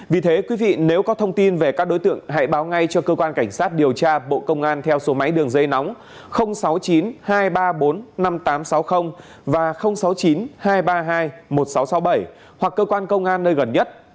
vì thế quý vị nếu có thông tin về các đối tượng hãy báo ngay cho cơ quan cảnh sát điều tra bộ công an theo số máy đường dây nóng sáu mươi chín hai trăm ba mươi bốn năm nghìn tám trăm sáu mươi và sáu mươi chín hai trăm ba mươi hai một nghìn sáu trăm sáu mươi bảy hoặc cơ quan công an nơi gần nhất